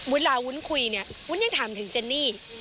อุ๊นหรอกอุ๊นคุยเนี่ยอุ๊นอาจถามถึงเจนนี่